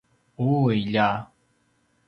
ui lja!